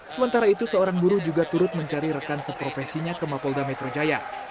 sementara itu seorang buruh juga turut mencari rekan seprofesinya ke mapolda metro jaya